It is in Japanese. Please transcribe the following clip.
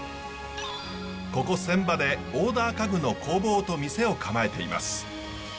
ここ船場でオーダー家具の工房と店を構えています。